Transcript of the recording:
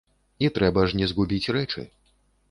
І трэба ж не згубіць рэчы.